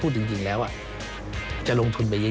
ก็คือคุณอันนบสิงต์โตทองนะครับ